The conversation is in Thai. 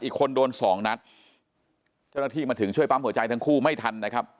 อีกคนโดนสองนัดเจ้าหน้าที่มาถึงช่วยปั๊มหัวใจทั้งคู่ไม่ทันนะครับ